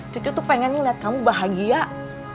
cucu tuh pengen ngeliat kamu begini nih